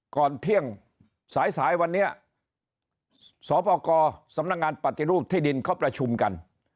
ก่อนเที่ยงสายสายวันนี้สปกรสำนักงานปฏิรูปที่ดินเขาประชุมกัน